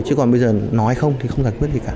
chứ còn bây giờ nói không thì không giải quyết gì cả